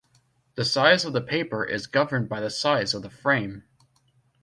The size of the paper is governed by the size of the frame.